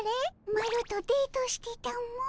マロとデートしてたも。